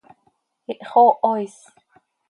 ¡Ihxooho is!